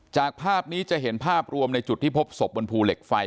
จากภาพนี้จะเห็นภาพรวมในจุดที่พบศพบนภูเหล็กไฟ